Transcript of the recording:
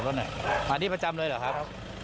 ไหนมาที่ประจำเลยเหรอครับ